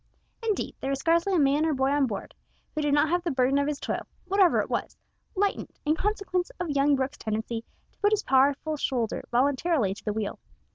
Indeed there was scarcely a man or boy on board who did not have the burden of his toil, whatever it was, lightened in consequence of young Brooke's tendency to put his powerful shoulder voluntarily to the wheel.